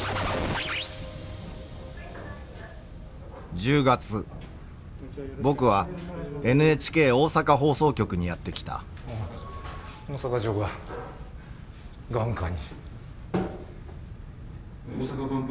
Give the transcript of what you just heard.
１０月僕はＮＨＫ大阪放送局にやって来た大阪城が眼下に。